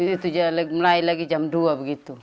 itu mulai lagi jam dua begitu